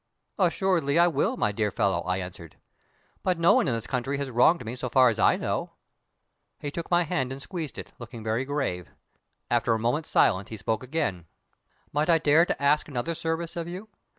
"Assuredly I will, my dear fellow," I answered. "But no one in this country has wronged me so far as I know." He took my hand and squeezed it, looking very grave. After a moment's silence, he spoke again. "Might I dare to ask another service of you?